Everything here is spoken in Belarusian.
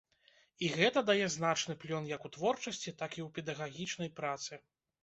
І гэта дае значны плён як у творчасці, так і ў педагагічнай працы.